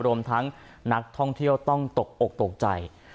รวมทั้งนักท่องเที่ยวต้องตกอกตกใจ